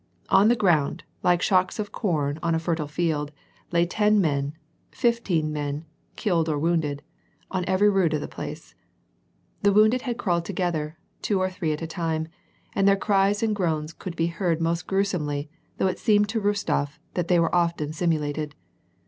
On the ground, like shocks of corn on a fertile field, lay ten men, fifteen men, killed or wounded^ on every rood of the place. The wounded had crawled together, two or three at a time, and their cries and groans could be heard most gruesomely though it seemed to Eostof that they were often simulated.